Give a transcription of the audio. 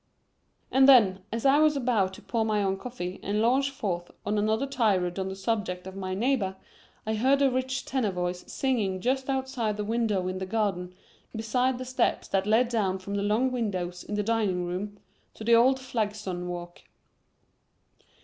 And then, as I was about to pour my own coffee and launch forth on another tirade on the subject of my neighbor, I heard a rich tenor voice singing just outside the window in the garden beside the steps that led down from the long windows in the dining room to the old flagstone walk.